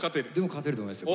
勝てると思いますよ